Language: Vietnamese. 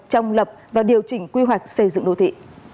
trong lập và điều chỉnh quy hoạch xây dựng đô thị